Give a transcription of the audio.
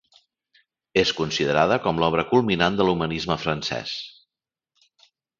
És considerada com l'obra culminant de l'humanisme francès.